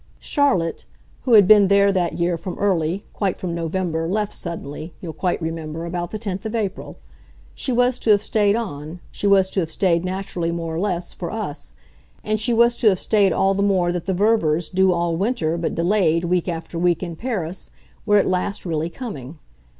"Charlotte, who had been there, that year, from early, quite from November, left suddenly, you'll quite remember, about the 10th of April. She was to have stayed on she was to have stayed, naturally, more or less, for us; and she was to have stayed all the more that the Ververs, due all winter, but delayed, week after week, in Paris, were at last really coming.